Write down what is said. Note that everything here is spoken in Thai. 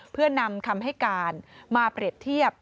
เพื่อนำคำให้การมาเปรียบเทียบ